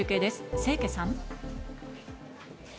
清家さん。